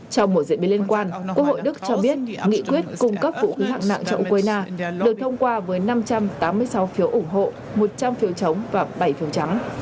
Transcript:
trong một diễn biến liên quan quốc hội đức cho biết nghị quyết cung cấp vũ khí hạng nặng cho ukraine được thông qua với năm trăm tám mươi sáu phiếu ủng hộ một trăm linh phiếu chống và bảy phiếu trắng